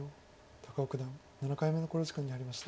高尾九段７回目の考慮時間に入りました。